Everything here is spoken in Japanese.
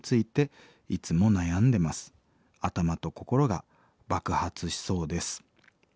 頭と心が爆発しそうです」。